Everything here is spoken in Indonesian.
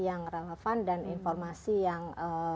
yang relevan dan informasi yang